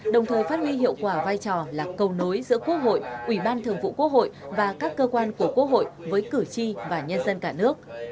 đồng thời phát huy hiệu quả vai trò là cầu nối giữa quốc hội ủy ban thường vụ quốc hội và các cơ quan của quốc hội với cử tri và nhân dân cả nước